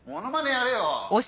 やれよ！